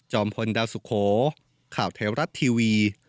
พลดาวสุโขข่าวเทวรัฐทีวี